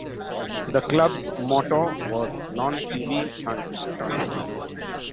The club's motto was "Non Sibi Cunctus".